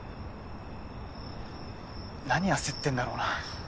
なに焦ってんだろうな。